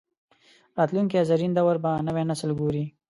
راتلونکي زرین دور به نوی نسل ګوري